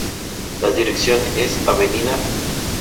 La dirección es: Av.